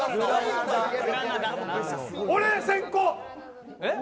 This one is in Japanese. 俺、先攻！